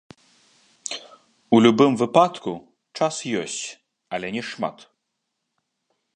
У любым выпадку, час ёсць, але не шмат.